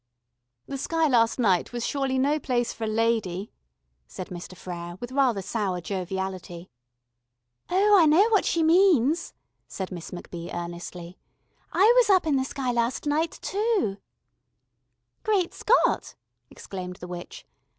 "The sky last night was surely no place for a lady," said Mr. Frere with rather sour joviality. "Oh, I know what she means," said Miss MacBee earnestly. "I was up in the sky last night too " "Great Scott," exclaimed the witch.